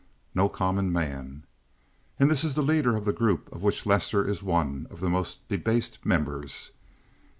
No common man. And this is the leader of the group of which Lester is one of the most debased members.